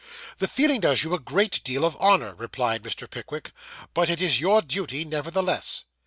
'The feeling does you a great deal of honour,' replied Mr. Pickwick; 'but it is your duty, nevertheless.